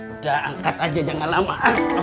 udah angkat aja jangan lama